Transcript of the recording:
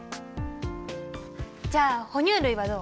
じゃあ哺乳類はどう？